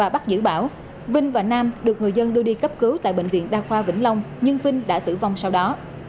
bắt giữ bảo vinh và nam được người dân đưa đi cấp cứu tại bệnh viện đa khoa vĩnh long nhưng vinh đã tử vong sau đó